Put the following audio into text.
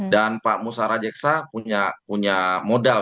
dan pak musara jeksa punya model